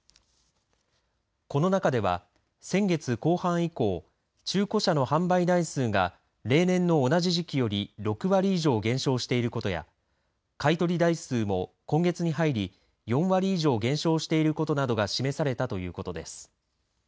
この中では先月後半以降中古車の販売台数が例年の同じ時期より６割以上減少していることや買い取り台数も今月に入り４割以上減少していることなどが示されたということです。